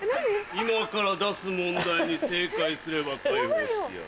今から出す問題に正解すれば解放してやる。